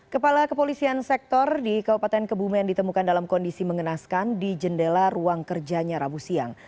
kepala kepolisian sektor di kabupaten kebumen ditemukan dalam kondisi mengenaskan di jendela ruang kerjanya rabu siang